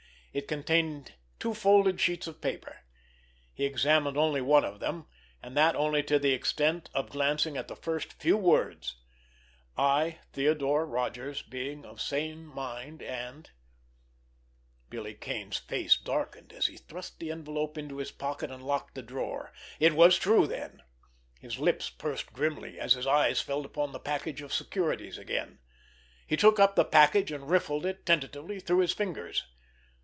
It contained two folded sheets of paper. He examined only one of them, and that only to the extent of glancing at the first few words: "I, Theodore Rodgers, being of sane mind and——" Billy Kane's face darkened, as he thrust the envelope into his pocket and locked the drawer. It was true then! His lips pursed grimly, as his eyes fell upon the package of securities again. He took up the package and riffled it tentatively through his fingers.